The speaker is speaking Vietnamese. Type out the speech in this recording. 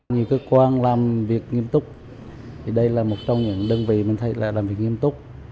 nhiều cơ quan làm việc nghiêm túc thì đây là một trong những đơn vị mình thấy là làm việc nghiêm túc